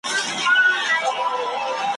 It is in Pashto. په یارانو چي یې زهر نوشوله ,